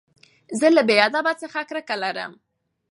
زه له بې ادبۍ څخه کرکه لرم.